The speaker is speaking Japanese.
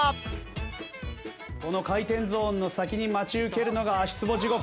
この回転ゾーンの先に待ち受けるのが足つぼ地獄。